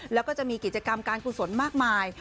แล้วก็จะมีกิจกรรมการกุศลมากมาย